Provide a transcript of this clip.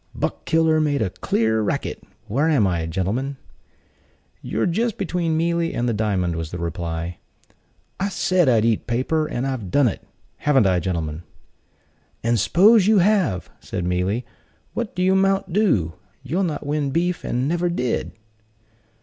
"Buck killer made a clear racket. Where am I, gentlemen?" "You're just between Mealy and the diamond," was the reply. "I said I'd eat paper, and I've done it; haven't I, gentlemen?" "And 'spose you have!" said Mealy, "what do that 'mount to? You'll not win beef, and never did."